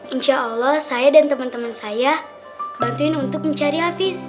insya allah saya dan teman teman saya bantuin untuk mencari hafiz